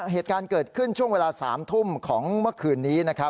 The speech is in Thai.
เหตุการณ์เกิดขึ้นช่วงเวลา๓ทุ่มของเมื่อคืนนี้